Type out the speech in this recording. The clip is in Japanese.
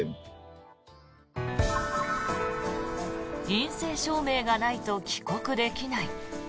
陰性証明がないと帰国できない。